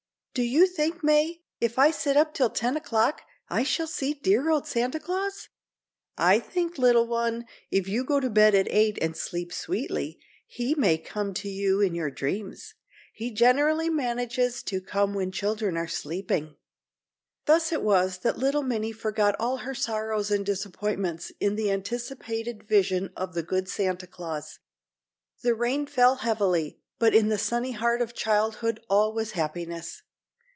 Do you think, May, if I sit up till ten o'clock, I shall see dear old Santa Claus?" "I think, little one, if you go to bed at eight and sleep sweetly, he may come to you in your dreams. He generally manages to come when children are sleeping." Thus it was that little Minnie forgot all her sorrows and disappointments in the anticipated vision of the good Santa Claus. The rain fell heavily, but in the sunny heart of childhood all was happiness.